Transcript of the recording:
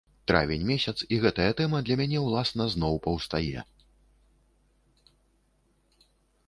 Травень месяц, і гэтая тэма для мяне ўласна зноў паўстае.